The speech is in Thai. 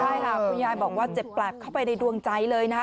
ครับคุณยายบอกว่าเจ็บปรากเข้าไปในดวงใจเลยนะ